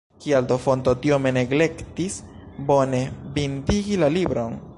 Kial do Fonto tiome neglektis bone bindigi la libron?